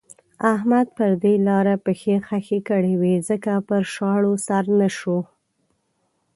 احمد پر دې لاره پښې خښې کړې وې ځکه پر شاړو سر نه شو.